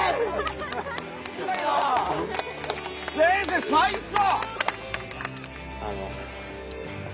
先生最高！